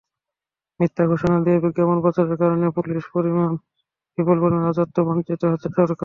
মিথ্যা ঘোষণা দিয়ে বিজ্ঞাপন প্রচারের কারণে বিপুল পরিমাণ রাজস্ব বঞ্চিত হচ্ছে সরকার।